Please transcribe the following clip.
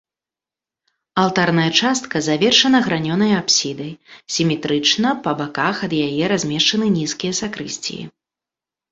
Алтарная частка завершана гранёнай апсідай, сіметрычна па баках ад яе размешчаны нізкія сакрысціі.